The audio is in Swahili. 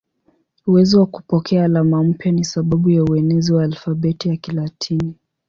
Uwezo wa kupokea alama mpya ni sababu ya uenezi wa alfabeti ya Kilatini.